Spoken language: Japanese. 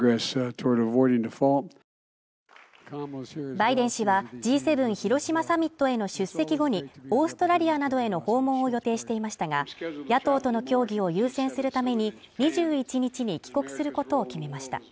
バイデン氏はＧ７広島サミットへの出席後にオーストラリアなどへの訪問を予定していましたが、野党との協議を優先するために２１日に帰国することを決めました。